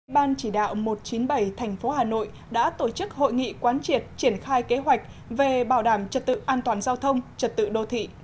ban chỉ đạo một trăm chín mươi bảy tp hà nội đã tổ chức hội nghị quán triệt triển khai kế hoạch về bảo đảm trật tự an toàn giao thông trật tự đô thị